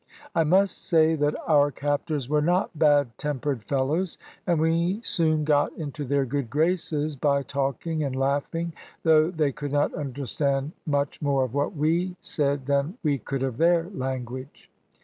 I must say that our captors were not bad tempered fellows, and we soon got into their good graces by talking and laughing, though they could not understand much more of what we said than we could of their language.